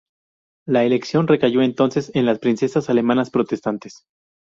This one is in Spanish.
La elección recayó entonces en las princesas alemanas protestantes.